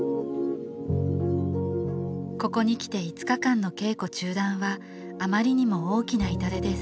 ここに来て５日間の稽古中断はあまりにも大きな痛手です